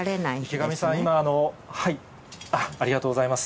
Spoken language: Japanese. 池上さん、ありがとうございます。